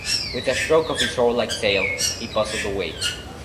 With a stroke of his oarlike tail, he bustled away.